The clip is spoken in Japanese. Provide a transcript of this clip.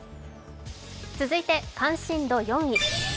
続いて、関心度４位。